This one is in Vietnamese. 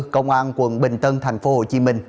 công an quận bình tân thành phố hồ chí minh